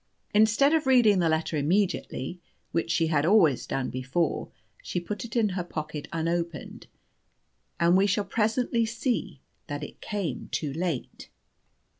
Instead of reading the letter immediately (which she had always done before), she put it in her pocket unopened, and we shall presently see that it came too late.